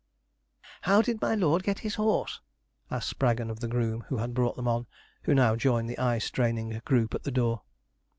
'How did my lord get his horse?' asked Spraggon of the groom who had brought them on, who now joined the eye straining group at the door.